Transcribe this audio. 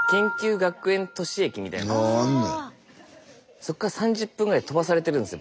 そっから３０分ぐらい飛ばされてるんですよ